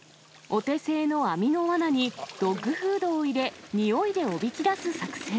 お手製の網のわなに、ドッグフードを入れ、においでおびき出す作戦。